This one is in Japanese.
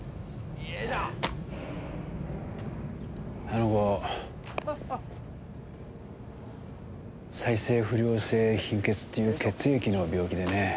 あの子再生不良性貧血っていう血液の病気でね。